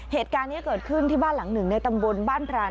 เหตุการณ์นี้เกิดขึ้นที่บ้านหลังหนึ่งในตำบลบ้านพราน